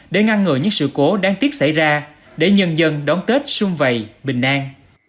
để ngăn ngừa những sự cố đáng tiếc xảy ra để nhân dân đón tết sung vầy bình an